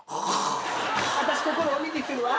私心を鬼にするわ。